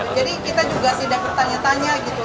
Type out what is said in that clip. jadi kita juga tidak bertanya tanya gitu